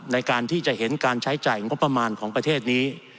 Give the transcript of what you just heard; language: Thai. ในการที่จะเห็นการใช้จ่ายงบประมาณของประเทศนี้